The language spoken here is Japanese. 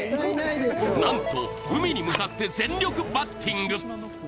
なんと海に向かって全力バッティング。